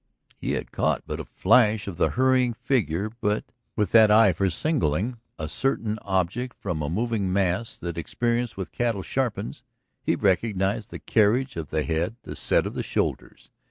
He had caught but a flash of the hurrying figure but, with that eye for singling a certain object from a moving mass that experience with cattle sharpens, he recognized the carriage of the head, the set of the shoulders.